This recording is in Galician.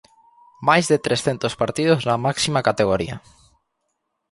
Máis de trescentos partidos na máxima categoría.